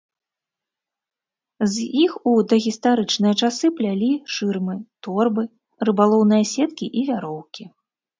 З іх у дагістарычныя часы плялі шырмы, торбы, рыбалоўныя сеткі і вяроўкі.